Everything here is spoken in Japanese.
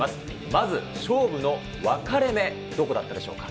まず勝負の分かれ目、どこだったでしょうか。